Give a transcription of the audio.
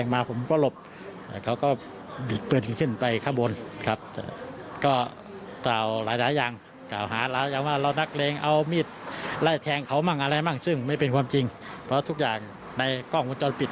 ไม่ได้เป็นความจริงเพราะทุกอย่างในกล้องมุมจรปิด